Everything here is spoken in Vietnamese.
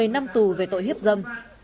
một mươi năm tù về tội hiếp dâm